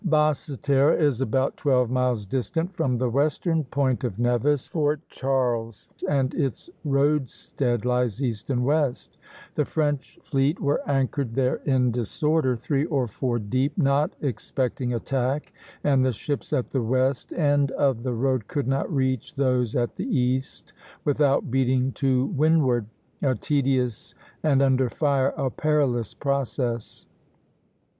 Basse Terre is about twelve miles distant from the western point of Nevis (Fort Charles), and its roadstead lies east and west. The French fleet were anchored there in disorder (Plate XVIII., A), three or four deep, not expecting attack, and the ships at the west end of the road could not reach those at the east without beating to windward, a tedious, and under fire a perilous process.